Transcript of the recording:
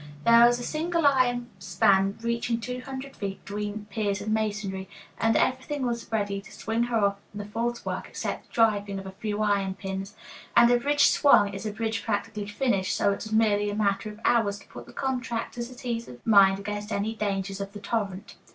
There was a single iron span reaching two hundred feet between piers of masonry, and everything was ready to swing her off the false work except the driving of a few iron pins. And a bridge swung is a bridge practically finished, so it was merely a matter of hours to put the contractors at ease of mind against any dangers of the torrent.